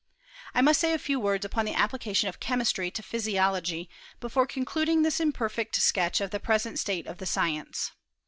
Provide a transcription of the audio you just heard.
I must say a few words upon the application of chemistry to physiology before concluding this im perfect sketch of the present state of the science.